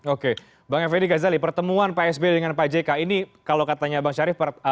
oke bang effendi ghazali pertemuan pak sby dengan pak jk ini kalau katanya bang syarif